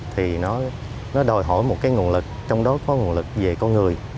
thì nó đòi hỏi một cái nguồn lực trong đó có nguồn lực về con người